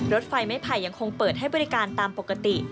รถไฟไม่ไผ่ยังคงเปิดให้บริการตามปกติ